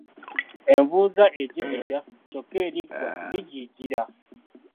Envunza ejigijja ky'okka eriggwa lijijiira.